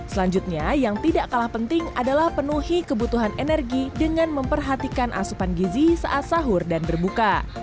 selanjutnya yang tidak kalah penting adalah penuhi kebutuhan energi dengan memperhatikan asupan gizi saat sahur dan berbuka